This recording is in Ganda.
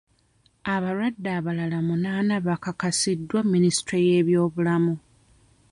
Abalwadde abalala munaana bakakasiddwa Minisitule y'ebyobulamu.